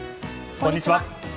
こんにちは。